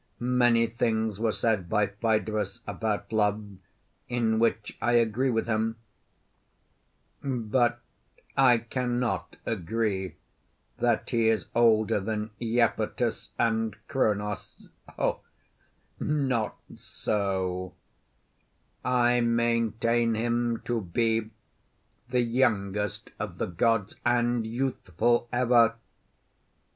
Many things were said by Phaedrus about Love in which I agree with him; but I cannot agree that he is older than Iapetus and Kronos: not so; I maintain him to be the youngest of the gods, and youthful ever.